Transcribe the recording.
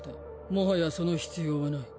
もはやその必要はない。